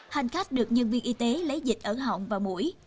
hành khách được nhân viên y tế lấy dịch ở họng và mũi